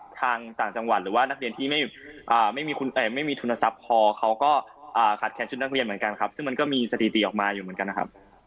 ต่างจังหวัดหรือว่านักเรียนที่ไม่มีทุนทรัพย์พอเขาก็ขาดแคนชุดนักเรียนเหมือนกันครับซึ่งมันก็มีสถิติออกมาอยู่เหมือนกันนะครับ